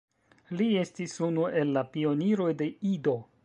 Li estis unu el la pioniroj de Ido.